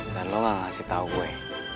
lo gak ngasih tau gue